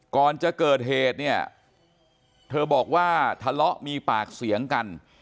ก่อนจะเกิดเหตุเนี่ยเธอบอกว่าทะเลาะมีปากเสียงกัน